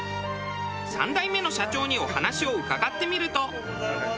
３代目の社長にお話を伺ってみると。